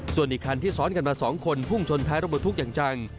ส่วนอีกคันที่ซ้อนกันมา๒คนพุ่งชนท้ายรถบรรทุกอย่างจัง